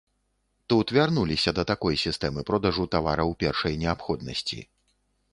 Тут вярнуліся да такой сістэмы продажу тавараў першай неабходнасці.